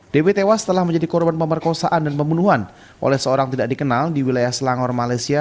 db tewas setelah menjadi korban pemerkosaan dan pembunuhan oleh seorang tidak dikenal di wilayah selangor malaysia